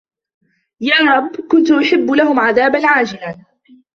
يَا رَبِّ كُنْتُ أُحِبُّ لَهُمْ عَذَابًا عَاجِلًا